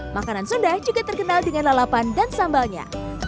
makanan sunda juga terkenal dengan lalapan dan sambalnya